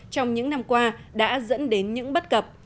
trong những năm qua đã dẫn đến những bất cập